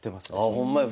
あほんまや。